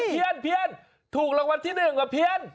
เฮ่ยเพียนถูกรางวัลที่๑หรือเปียน